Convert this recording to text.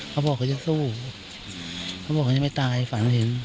เขาบอกเขาจะสู้เขาบอกเขายังไม่ตายฝันเห็น